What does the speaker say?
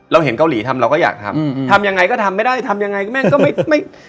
เราเห็นเกาหลีทำเราก็อยากทำอืมทำทำยังไงก็ทำไม่ได้ทำยังไงก็แม่งก็ไม่ไม่